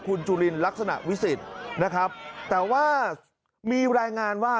คุณจุลินลักษณะวิสิทธิ์นะครับแต่ว่ามีรายงานว่า